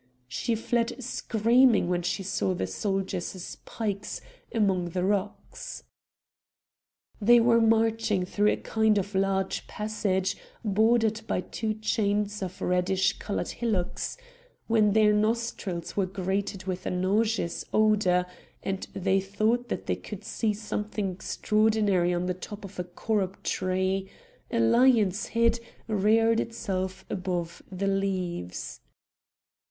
She fled screaming when she saw the soldiers' pikes among the rocks. They were marching through a kind of large passage bordered by two chains of reddish coloured hillocks, when their nostrils were greeted with a nauseous odour, and they thought that they could see something extraordinary on the top of a carob tree: a lion's head reared itself above the leaves.